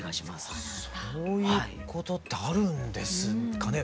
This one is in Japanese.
そういうことってあるんですかね？